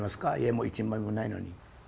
絵も一枚もないのに。